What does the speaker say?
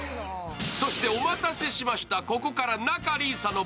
そしてお待たせしました。